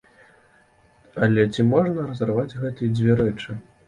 Але ці можна разарваць гэтыя дзве рэчы?